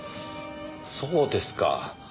そうですか。